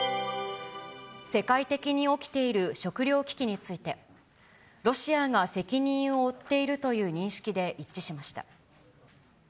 世界的に起きている食料危機について、ロシアが責任を負っているという認識で一致しました。